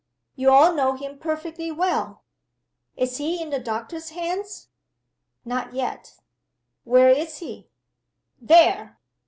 "You all know him perfectly well." "Is he in the doctor's hands?" "Not yet." "Where is he?" "There!"